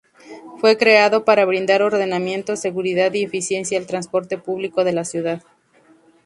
Fue creado para brindar ordenamiento, seguridad y eficiencia al transporte público de la ciudad.